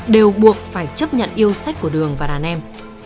đều buộc phải chấp nhận yêu sách của đường và đàn em